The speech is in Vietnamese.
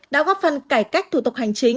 đã góp phần cải cách thủ tục hành chính